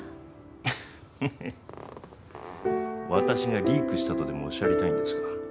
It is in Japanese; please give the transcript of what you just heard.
はは私がリークしたとでもおっしゃりたいんですか？